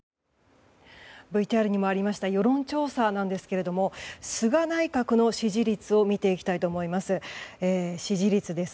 ＶＴＲにもありました世論調査なんですけれども菅内閣の支持率を見ていきたいと思います。